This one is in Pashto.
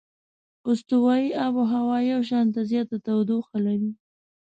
استوایي آب هوا یو شانته زیاته تودوخه لري.